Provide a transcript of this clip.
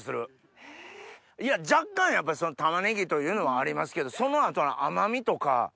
若干やっぱたまねぎというのはありますけどその後の甘味とか。